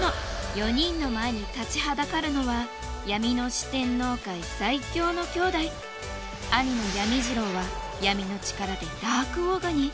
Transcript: ４人の前に立ちはだかるのは闇の四天王界最強の兄弟兄のヤミジロウは闇の力でダークオーガに。